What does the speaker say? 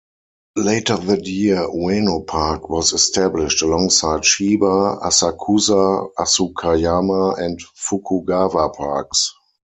Later that year Ueno Park was established, alongside Shiba, Asakusa, Asukayama, and Fukugawa Parks.